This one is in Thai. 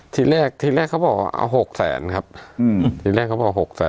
ทีแรกเขาบอกว่าเอา๖แสนครับ